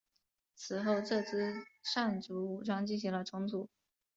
此后这支掸族武装进行了重组。